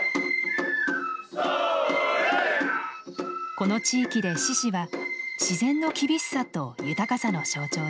この地域で獅子は自然の厳しさと豊かさの象徴です。